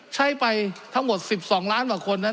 ใช้ไปทั้งหมด๑๒ล้านกว่าคนนั้น